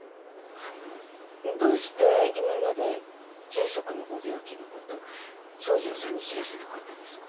あのどうして今まで住職のご病気のこと宗純さんに知らせなかったんですか？